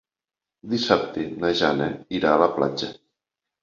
Dissabte na Jana irà a la platja.